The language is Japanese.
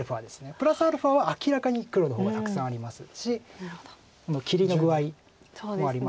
プラスアルファは明らかに黒の方がたくさんありますし切りの具合もありますので。